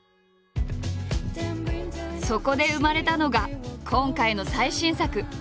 そこで生まれたのが今回の最新作。